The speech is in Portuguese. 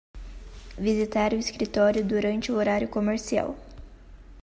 Visitar o escritório durante o horário comercial